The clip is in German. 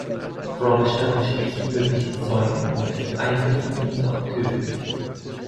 Frobisher besticht mögliche Zeugen und lässt einige von ihnen auch töten.